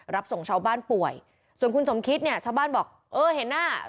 รับส่งชาวบ้านป่วยส่วนคุณสมคิดเนี่ยชาวบ้านบอกเออเห็นหน้า